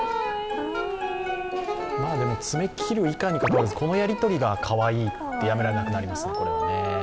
でも爪切る、切らないにかかわらずこのやり取りがかわいくてやめられなくなりますね。